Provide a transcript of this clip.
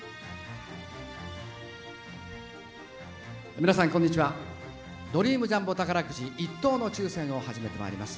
皆さんこんにちはドリームジャンボ宝くじ１等の抽せんを始めてまいります。